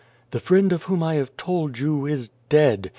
" The friend of whom I have told you is dead.